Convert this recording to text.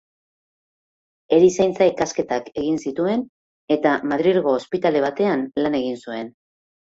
Erizaintza-ikasketak egin zituen, eta Madrilgo ospitale batean lan egin zuen.